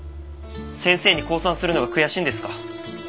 先生に降参するのが悔しいんですか？